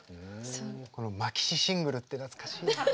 このマキシシングルって懐かしい。